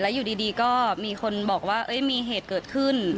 อยู่ดีก็มีคนบอกว่ามีเหตุเกิดขึ้น